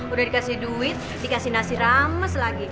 udah dikasih duit dikasih nasi rames lagi